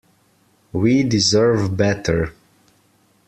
We deserve better.